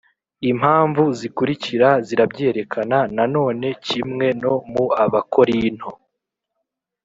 Impamvu zikurikira zirabyerekana Na none kimwe no mu Abakorinto,